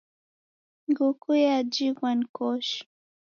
Nguku yajighwa ni koshi